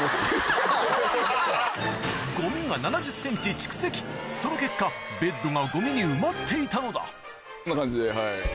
ゴミが７０ｃｍ蓄積その結果ベッドがゴミに埋まっていたのだこんな感じではい。